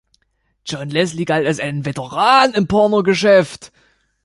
John Leslie galt als ein Veteran im Pornogeschäft.